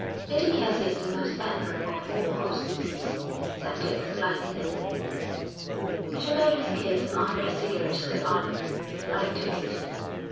'Lady Kelsey is the most admirable of all hostesses,' said Dick lightly. He took out his case and offered a cigarette to Alec. Alec took it.